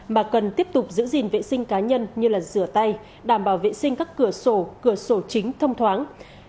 mà cần tiếp tục giữ gìn vệ sinh cá nhân như rửa tay đảm bảo vệ sinh các cửa sổ cửa sổ chính thông thoáng